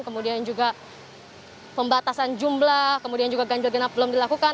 kemudian juga pembatasan jumlah kemudian juga ganjil genap belum dilakukan